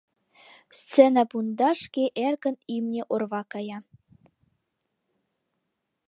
Сцена пундашке эркын имне орва кая.